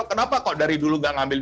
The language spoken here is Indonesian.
kenapa kok dari dulu tidak mengambil